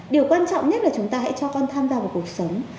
điều quan trọng nhất là chúng ta hãy cho con tham gia vào cuộc sống